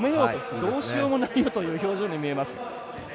どうしようもないよという表情にも見えます。